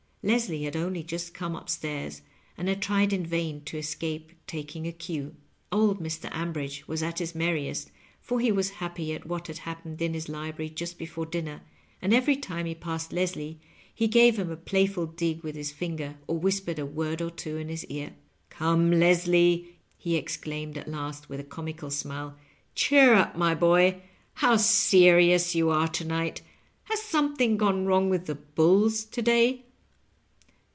Leslie had only just come np etairs, and had tried in vain to escape taking a cne. Old Mr. Ambridge was at his merriest, for he was happy at what had hap pened in his library just before dinner, and every time he passed Leslie he gave him a playful dig with his finger or whispered a word or two in his ear. " Come, Leslie," he exclaimed at last, with a comical smile, "cheer up, my boy; how serious you are to night. Has something gone wrong with the ' bulls ' to day